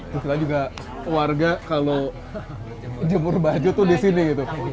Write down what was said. setelah itu juga warga kalau jemur baju itu di sini gitu